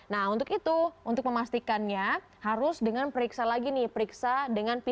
nah untuk itu untuk memastikannya harus dengan periksa lagi nih periksa dengan p tiga